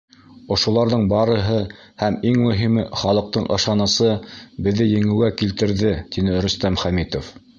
Ошоларҙың барыһы һәм, иң мөһиме, халыҡтың ышанысы беҙҙе еңеүгә килтерҙе, — тине Рөстәм Хәмитов.